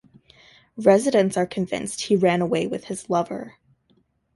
Residents are convinced he ran away with his lover.